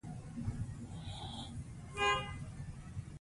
هغه ژر له خوبونو راووت.